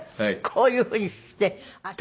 こういうふうにして足